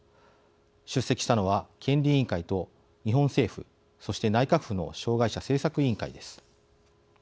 出席したのは権利委員会と日本政府そして内閣府の障害者政策委員会です。